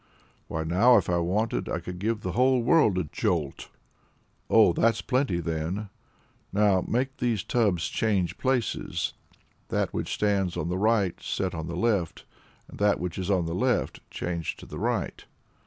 "Why now, if I wanted, I could give the whole world a jolt." "Oh that's plenty then! Now make these tubs change places that which stands on the right, set on the left: and that which is on the left, change to the right."